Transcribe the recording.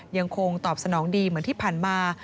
ยังคงตอบสนองดีเหมือนที่ผ่านมา